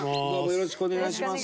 よろしくお願いします。